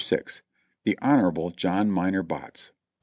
THE HON. JOHN MINOR BOTTS.